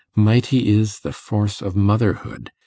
Mighty is the force of motherhood!